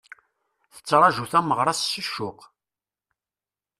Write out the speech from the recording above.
Tettraǧu tameɣra-s s ccuq.